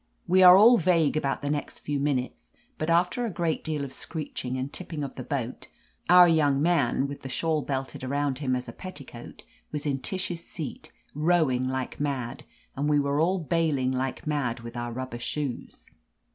We are all vague about the next few minutes, but after a great deal of screeching and tip ping of the boat, our young man, with the shawl belted around him as a petticoat, was in Tish's seat, rowing like mad, and we were all bailing like mad with our rubber shoes.